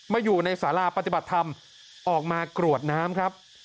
อยู่ในสาราปฏิบัติธรรมออกมากรวดน้ำครับ